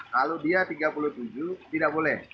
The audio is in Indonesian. kalau dia tiga puluh tujuh tidak boleh